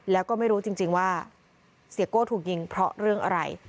แล้วก็ไม่รู้จริงว่าเสียโก้ถูกยิงเพราะเรื่องอะไร